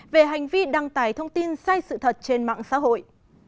về hành vi đăng tải thông tin sai sự thật trên mạng xã hội